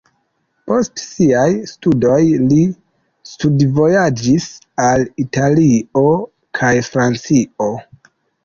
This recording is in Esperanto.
Post siaj studoj li studvojaĝis al Italio kaj Francio.